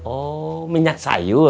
oh minyak sayur